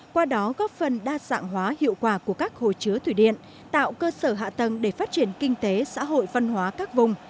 qua đó góp phần đa dạng hóa hiệu quả của các hồ chứa thủy điện tạo cơ sở hạ tầng để phát triển kinh tế xã hội văn hóa các vùng